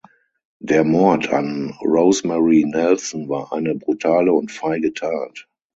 Der Mord an Rosemary Nelson war eine brutale und feige Tat.